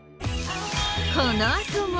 このあとも